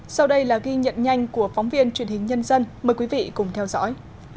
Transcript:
sau đây là ghi nhận nhanh của phóng viên truyền hình nhân dân mời quý vị cùng theo dõi